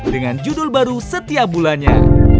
dengan judul baru setiap bulannya